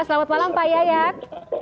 selamat malam pak yayak